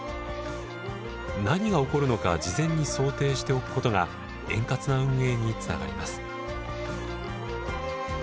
何が起こるのか事前に想定しておくことが円滑な運営につながります。